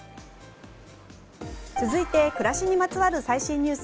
続いては暮らしにまつわる最新ニュース。